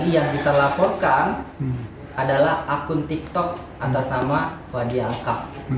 yang kita laporkan adalah akun tiktok antas nama fadiyah kak